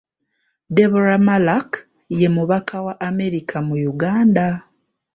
Deborah Malac ye mubaka wa Amerika mu Uganda.